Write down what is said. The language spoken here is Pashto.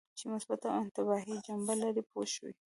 چې مثبته او انتباهي جنبه لري پوه شوې!.